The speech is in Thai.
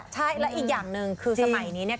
ใช่แล้วอีกอย่างหนึ่งคือสมัยนี้เนี่ย